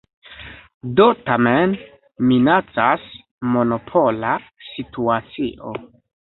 Do tamen minacas monopola situacio.